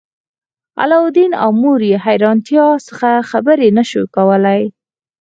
علاوالدین او مور یې له حیرانتیا څخه خبرې نشوای کولی.